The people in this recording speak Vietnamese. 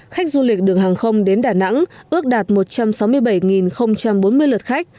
khách du lịch đường hàng không đến đà nẵng ước đạt một trăm sáu mươi bảy bốn mươi lượt khách